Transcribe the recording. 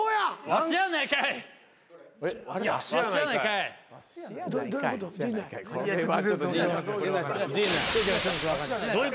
「わしやないかい」